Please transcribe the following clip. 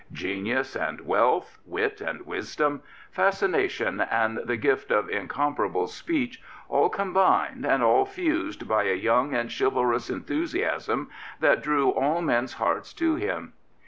Genius and wealth, fwit and wisdom, fascination and the gift of incom parable speech all combined and all fused by a young and chivalrous enthusiasm that drew all men's hearts to him.